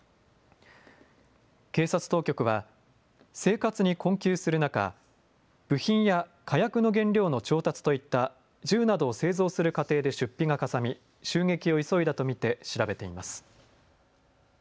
警察当局は生活に困窮する中、部品や火薬の原料の調達といった銃などを製造する過程で出費がかさみ襲撃を急いだと見て調べています。